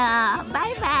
バイバイ。